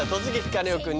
カネオくん」。